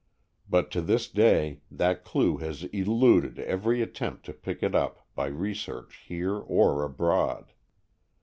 But to this day that clue has eluded every attempt to pick it up by research here or abroad.